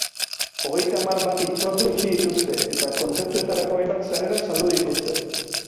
Hogeita hamar bat hitzordu itxi dituzte, eta kontzertuetarako hainbat sarrera saldu dituzte.